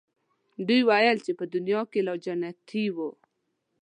دوی ویل چې په دنیا کې لا جنتیی وو.